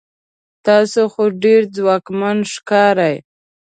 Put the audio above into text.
تاسو خو ډیر ځواکمن ښکارئ